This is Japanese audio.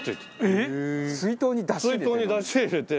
水筒に出汁入れて？